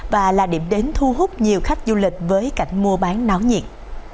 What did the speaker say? và là điểm đến thu hút nhiều khách du lịch với cảnh mua bán náo nhiệt